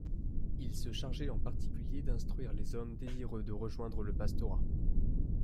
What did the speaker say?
Il se chargeait en particulier d'instruire les hommes désireux de rejoindre le pastorat.